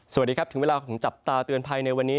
สวัสดีครับถึงเวลาของจับตาเตือนภัยในวันนี้